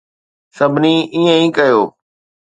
سڀني ائين ئي ڪيو.